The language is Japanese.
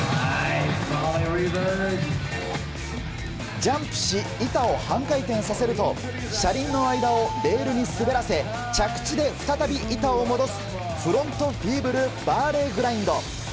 ジャンプし、板を半回転させると車輪の間をレールに滑らせ着地で再び板を戻すフロントフィーブルバーレーグラインド。